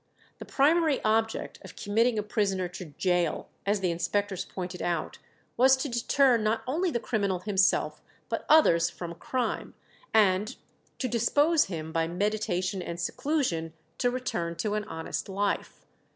The primary object of committing a prisoner to gaol, as the inspectors pointed out, was to deter not only the criminal himself, but others from crime, and "to dispose him, by meditation and seclusion, to return to an honest life."